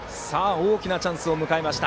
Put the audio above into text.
大きなチャンスを迎えました。